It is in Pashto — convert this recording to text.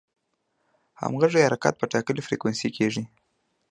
همغږي حرکت په ټاکلې فریکونسي کېږي.